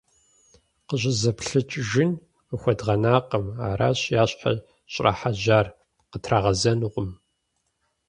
КъыщӀызэплъэкӀыжын къахуэдгъэнакъым, аращ я щхьэр щӀрахьэжьар – къытрагъэзэнукъым.